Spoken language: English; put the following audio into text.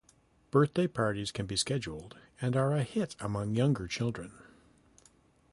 Birthday parties can be scheduled and are a hit among younger children.